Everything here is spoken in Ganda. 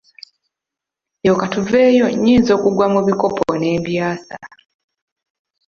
Eyo ka tuveeyo nnyinza okugwa mu bikopo ne mbyasa.